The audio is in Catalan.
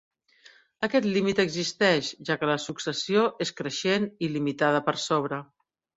Aquest límit existeix, ja que la successió és creixent i limitada per sobre.